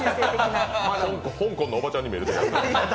香港のおばちゃんに見える。